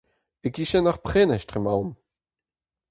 E-kichen ar prenestr emaon !